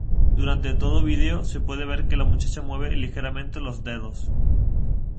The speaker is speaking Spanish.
Durante todo video, se puede ver que la muchacha mueve ligeramente los dedos.